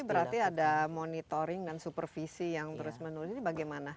berarti ada monitoring dan supervisi yang terus menurun ini bagaimana